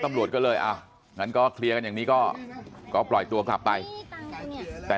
ตำรวจก็เลยอ่ะงั้นก็เคลียร์กันอย่างนี้ก็ปล่อยตัวกลับไปแต่